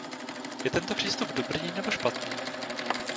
Je tento přístup dobrý, nebo špatný?